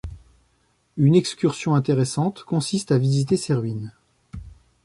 Une excursion intéressante consiste à visiter ces ruines.